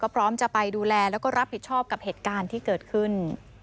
พร้อมจะไปดูแลแล้วก็รับผิดชอบกับเหตุการณ์ที่เกิดขึ้น